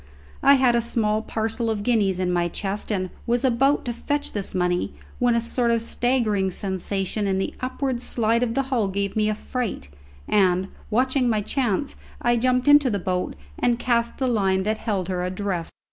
I had a small parcel of guineas in my chest, and was about to fetch this money, when a sort of staggering sensation in the upward slide of the hull gave me a fright, and, watching my chance, I jumped into the boat and cast the line that held her adrift.